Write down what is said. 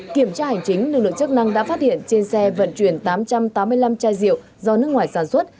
kiểm tra hành chính lực lượng chức năng đã phát hiện trên xe vận chuyển tám trăm tám mươi năm chai rượu do nước ngoài sản xuất